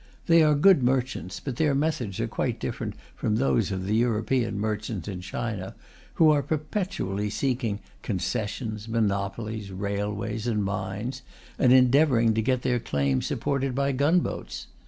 They are good merchants, but their methods are quite different from those of European merchants in China, who are perpetually seeking concessions, monopolies, railways, and mines, and endeavouring to get their claims supported by gunboats.